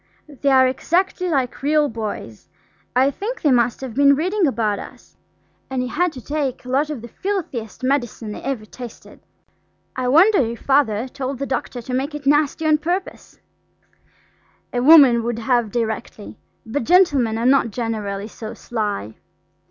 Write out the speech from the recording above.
They are exactly like real boys; I think they must have been reading about us. And he had to take a lot of the filthiest medicine I ever tasted. I wonder if Father told the doctor to make it nasty on purpose? A woman would have directly, but gentlemen are not generally so sly.